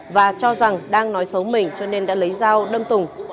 và cho rằng đang nói xấu mình cho nên đã lấy dao đâm tùng